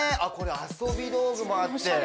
遊び道具もあって。